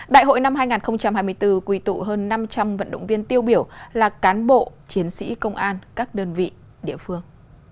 đại hội năm hai nghìn hai mươi bốn quy tụ hơn năm trăm linh vận động viên tiêu biểu là cán bộ chiến sĩ công an các đơn vị địa phương